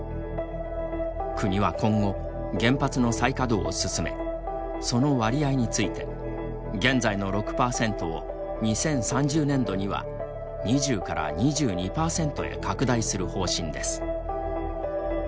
国は今後、原発の再稼働を進めその割合について現在の６％を２０３０年度には２０２２％へ拡大する方針です。